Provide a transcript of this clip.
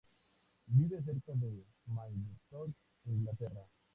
Vive cerca de Maidstone, Inglaterra.